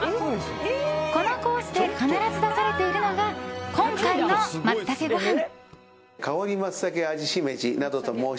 このコースで必ず出されているのが今回のマツタケご飯。